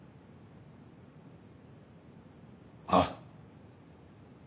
ああ。